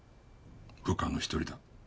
部下の一人だ。